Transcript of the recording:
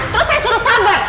terus saya suruh sabar